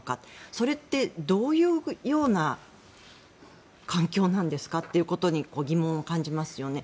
それってどういうような環境なんですかっていうことに疑問を感じますよね。